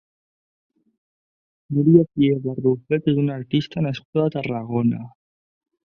Núria Pié Barrufet és una artista nascuda a Tarragona.